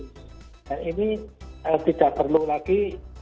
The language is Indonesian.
nah ini tidak perlu lagi